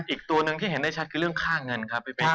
อีกตัวหนึ่งที่เห็นได้ชัดคือเรื่องค่าเงินครับพี่เบ้น